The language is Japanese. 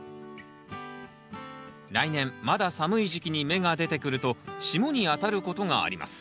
来年まだ寒い時期に芽が出てくると霜に当たることがあります。